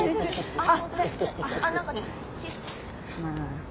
あっ！